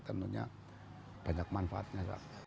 tentunya banyak manfaatnya